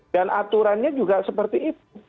dan aturannya juga seperti itu